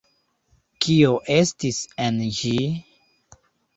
Kio estis en ĝi?